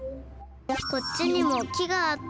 こっちにも木があった。